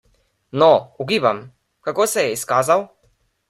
No, ugibam, kako se je izkazal?